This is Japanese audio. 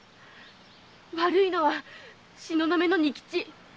悪いのは「東雲の仁吉」。